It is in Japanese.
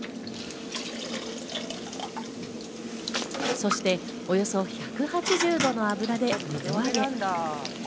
そしておよそ１８０度の油で二度揚げ。